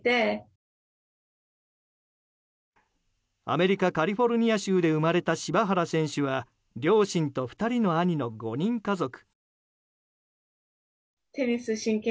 アメリカ・カリフォルニア州で生まれた柴原選手は両親と２人の兄の５人家族。